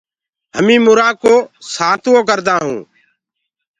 همينٚ مُرآ ڪو سآتوونٚ ڪردآ هونٚ۔